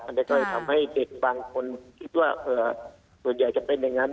จะก็เลยทำให้เด็กบางคนคิดว่าส่วนใหญ่จะเป็นอย่างนั้น